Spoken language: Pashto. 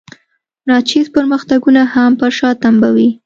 ناچیز پرمختګونه هم پر شا تمبوي.